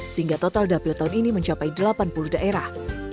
sehingga total dapil tahun ini mencapai delapan puluh daerah